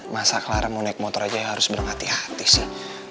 masa clara mau naik motor aja harus bilang hati hati sih